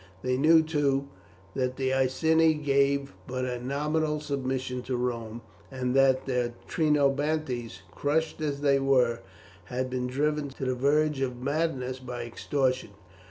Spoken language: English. They knew, too, that the Iceni gave but a nominal submission to Rome, and that the Trinobantes, crushed as they were, had been driven to the verge of madness by extortion.